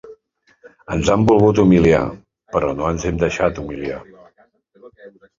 Ens han volgut humiliar, però no ens hem deixat humiliar.